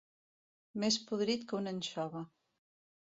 Més podrit que una anxova.